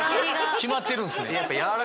決まってるんすね。